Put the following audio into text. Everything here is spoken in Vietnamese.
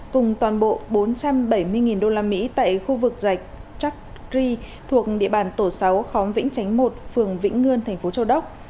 cùng toàn bộ bốn trăm bảy mươi usd tại khu vực dạch chakri thuộc địa bàn tổ sáu khóm vĩnh chánh một phường vĩnh ngươn tp châu đốc